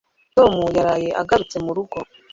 Toma yaraye agarutse murugo.